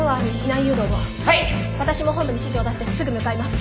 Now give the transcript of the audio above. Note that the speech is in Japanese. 私も本部に指示を出してすぐ向かいます。